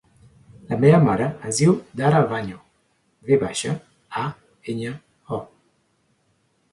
La meva mare es diu Dara Vaño: ve baixa, a, enya, o.